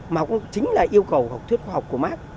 mà cũng chính là yêu cầu học thuyết khoa học của mark